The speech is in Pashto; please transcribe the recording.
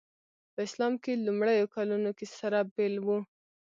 په اسلام لومړیو کلونو کې سره بېل وو.